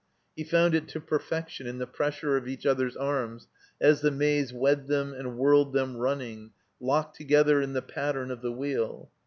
He foxmd it to perfection in the pressure of each other's arms as the Maze wed them and whirled them running, locked together in the pattern of the wheel.